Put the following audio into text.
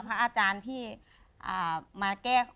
พระอาจารย์ที่มาแก้